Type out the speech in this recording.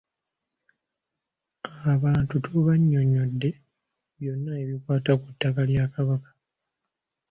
Abantu tubannyonnyodde byonna ebikwata ku ttaka lya Kabaka.